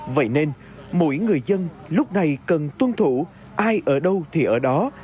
vậy nên mỗi người dân lúc này cần tuân thủ ai ở đâu thì ở đó